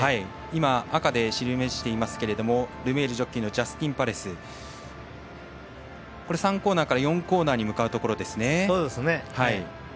赤で示していますがルメールジョッキーのジャスティンパレス３コーナーから４コーナーに向かうところですね。